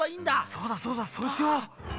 そうだそうだそうしよう。